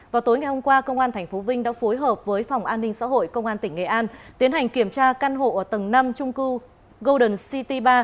vào tối ngày hôm qua công an tp vinh đã phối hợp với phòng an ninh xã hội công an tỉnh nghệ an tiến hành kiểm tra căn hộ ở tầng năm trung cư golden city ba